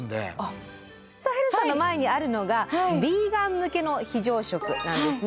サヘルさんの前にあるのがヴィーガン向けの非常食なんですね。